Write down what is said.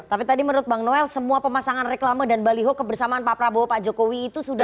tapi tadi menurut bang noel semua pemasangan reklama dan baliho kebersamaan pak prabowo pak jokowi itu sudah